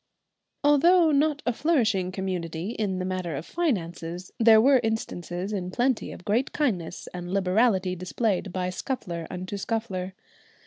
Although not a flourishing community in the matter of finances, there were instances in plenty of great kindness and liberality displayed by Scuffler unto Scuffler.